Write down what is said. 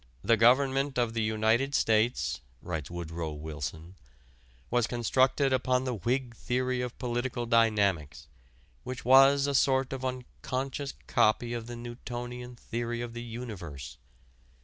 "The Government of the United States," writes Woodrow Wilson, "was constructed upon the Whig theory of political dynamics, which was a sort of unconscious copy of the Newtonian theory of the universe....